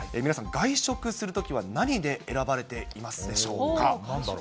皆さん、外食するときは何で選ばれていますでしょうか。